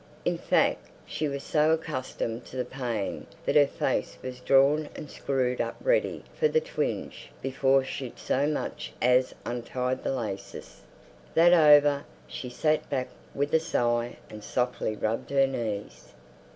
In fact, she was so accustomed to the pain that her face was drawn and screwed up ready for the twinge before she'd so much as untied the laces. That over, she sat back with a sigh and softly rubbed her knees....